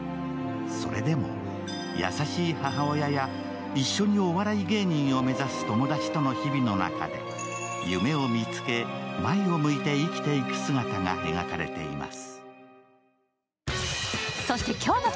それでも優しい母親や一緒にお笑い芸人を目指す友達との日々の中で夢を見つけ、前を向いて生きていく姿が描かれています。